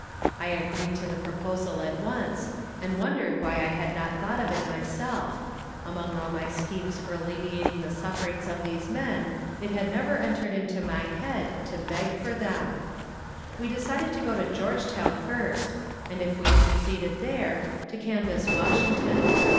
I agreed to the proposal at once, and wondered why I had not thought of it myself among all my schemes for alleviating the sufferings of these men, it had never entered into my head to beg for them. We decided to go to Georgetown first and if we succeeded there, to canvass Washington.